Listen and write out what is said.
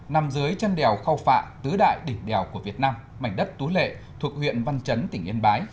nằm dưới chân đèo khao phạ tứ đại đỉnh đèo của việt nam mảnh đất tú lệ thuộc huyện văn chấn tỉnh yên bái